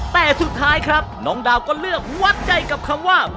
แต่สุดท้ายครับน้องดาวก็เลือกวัดใจกับคำว่า